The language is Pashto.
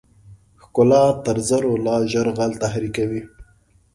ښکلا تر زرو لا ژر غل تحریکوي.